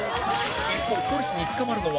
一方ポリスに捕まるのは？